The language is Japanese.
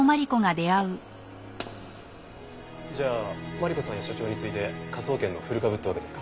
じゃあマリコさんや所長に次いで科捜研の古株ってわけですか。